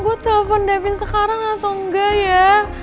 gue telepon david sekarang atau enggak ya